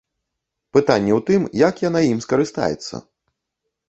Пытанне ў тым, як яна ім скарыстаецца?